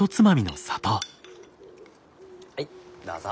はいどうぞ。